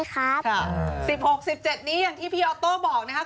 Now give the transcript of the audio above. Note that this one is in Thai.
๑๖๑๗นี้อย่างที่พี่ออโต้บอกนะครับ